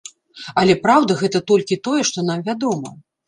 Але, праўда, гэта толькі тое, што нам вядома.